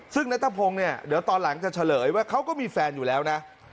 ซึ่งนัทพงศ์เนี่ยเดี๋ยวตอนหลังจะเฉลยว่าเขาก็มีแฟนอยู่แล้วนะ